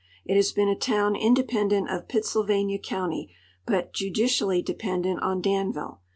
It has been a toAvn inde pendent of Pittsylvania county, but judicially dependent on Danville.